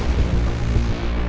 akhirnya aku kembali